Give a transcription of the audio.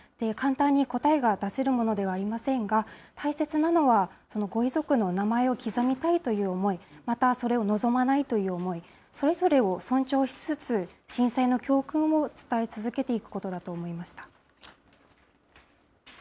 簡単に答えが出せるものではありませんが、大切なのは、このご遺族のお名前を刻みたいという思い、またそれを望まないという思い、それぞれを尊重しつつ、震災の教訓を伝え続けていくことだと思いました。